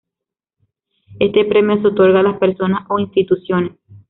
Este premio se otorga a las personas o instituciones